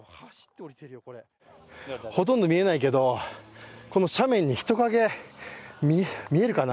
ほとんど見えないけど、この斜面に人影、見えるかな？